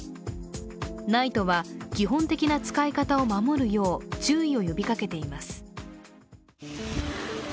ＮＩＴＥは基本的な使い方を守るよう注意を呼びかけています。